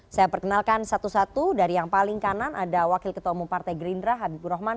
saya perkenalkan satu satu dari yang paling kanan ada wakil ketua umum partai gerindra habibur rahman